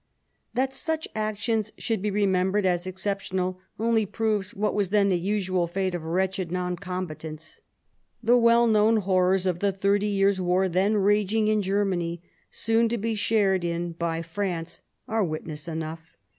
." That such actions should be remembered as exceptional, only proves what was then the usual fate of wretched non combatants. The well known horrors of the Thirty Years War, then raging in Germany, soon to be shared in by France, are witness enough.